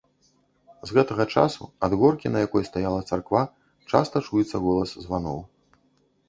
З гэтага часу ад горкі, на якой стаяла царква, часта чуецца голас званоў.